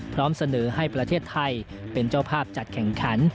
พร้อมเสนอให้ประเทศไทยเป็นเจ้าภาพจัดแข่งขัน